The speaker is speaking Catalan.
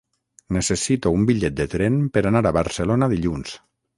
Necessito un bitllet de tren per anar a Barcelona dilluns.